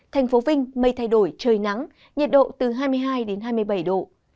thành phố vinh mây thay đổi trời nắng nhiệt độ từ hai mươi hai đến hai mươi bảy độ